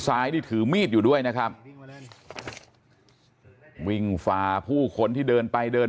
ซ้ายนี่ถือมีดอยู่ด้วยนะครับวิ่งฝ่าผู้คนที่เดินไปเดิน